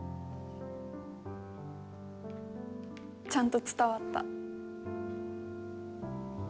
ちゃんと伝わった。